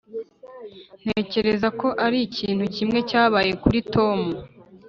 ntekereza ko ari ikintu kimwe cyabaye kuri tom.